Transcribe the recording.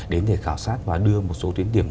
đến để khảo sát và đưa một số tuyến điểm